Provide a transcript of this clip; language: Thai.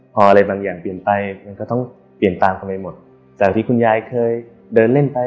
พออะไรบางอย่างเปลี่ยนไปมันก็ต้องเปลี่ยนตามกันไปหมดจากที่คุณยายเคยเดินเล่นไป